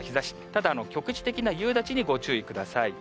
ただ局地的な夕立にご注意ください。